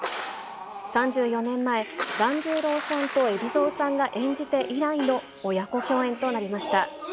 ３４年前、團十郎さんと海老蔵さんが演じて以来の親子共演となりました。